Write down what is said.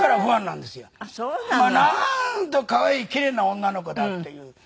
なんと可愛い奇麗な女の子だっていう。